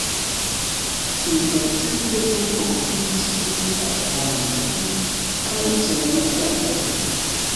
Intertempe oni okupiĝis pri oranĝoj kaj ceramikaĵoj.